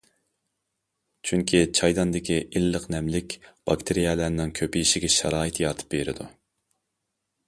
چۈنكى چايداندىكى ئىللىق نەملىك باكتېرىيەلەرنىڭ كۆپىيىشىگە شارائىت يارىتىپ بېرىدۇ.